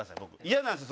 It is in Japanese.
嫌なんです